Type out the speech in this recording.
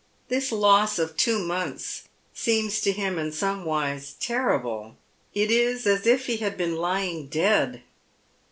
This loss of two months seems to him in some wise terrible. It is as if he Lad been lying dead.